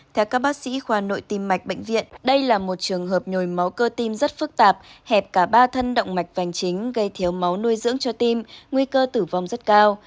theo các bác sĩ khoa nội tim mạch bệnh viện đây là một trường hợp nhồi máu cơ tim rất phức tạp hẹp cả ba thân động mạch vành chính gây thiếu máu nuôi dưỡng cho tim nguy cơ tử vong rất cao